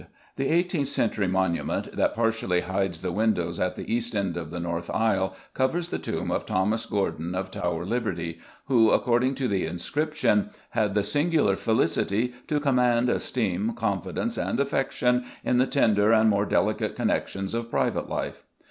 _ The eighteenth century monument that partially hides the window at the east end of the north aisle covers the tomb of Thomas Gordon of Tower Liberty, who, according to the inscription, had the "singular felicity" to command "esteem, confidence, and affection in the tender and more delicate connections of private life."